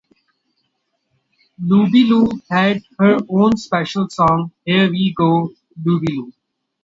Looby Loo had her own special song "Here we go Looby Loo".